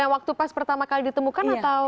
waktu pas pertama kali ditemukan atau